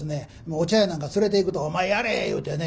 お茶屋なんか連れていくと「お前やれ！」いうてね